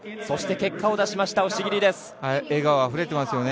そして結果を出しました押切です。